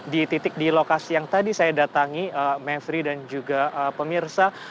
di titik di lokasi yang tadi saya datangi mevri dan juga pemirsa